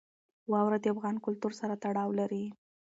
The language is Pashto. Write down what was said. واوره د افغان کلتور سره تړاو لري.